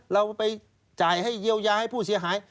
เราไปจ่ายให้เยียวยาให้ผู้เสียหาย